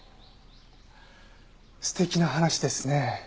素敵な話ですね。